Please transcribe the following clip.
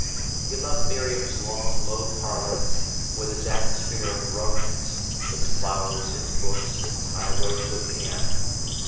He loved Miriam's long, low parlour, with its atmosphere of romance, its flowers, its books, its high rosewood piano.